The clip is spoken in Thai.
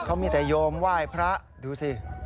เขามีแต่โยมไหว้พระดูสิ